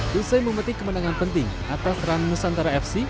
selesai memetik kemenangan penting atas run nusantara fc